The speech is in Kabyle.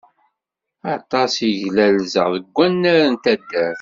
Aṭas i glalzeɣ deg wannar n taddart.